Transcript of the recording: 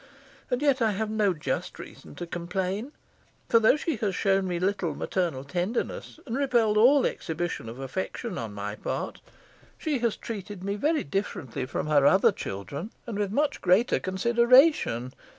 And yet I have no just reason to complain; for though she has shown me little maternal tenderness, and repelled all exhibition of affection on my part, she has treated me very differently from her other children, and with much greater consideration.